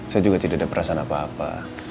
saya juga tidak ada perasaan apa apa